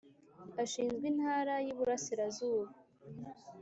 Ashinzwe Intara y Iburasirazuba